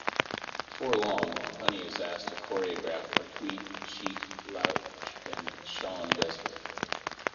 Before long, Honey is asked to choreograph for Tweet, Sheek Louch, and Shawn Desman.